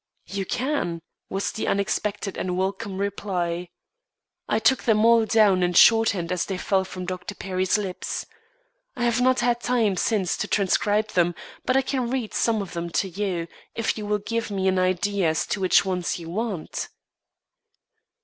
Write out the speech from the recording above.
"You can," was the unexpected and welcome reply. "I took them all down in shorthand as they fell from Dr. Perry's lips. I have not had time since to transcribe them, but I can read some of them to you, if you will give me an idea as to which ones you want."